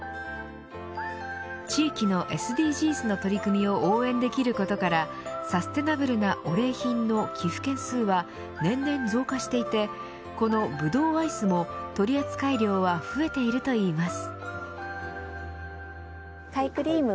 地域のＳＤＧｓの取り組みを応援できることからサステナブルなお礼品の寄付件数は年々増加していてこのぶどうアイスも取扱量は増えているといいます。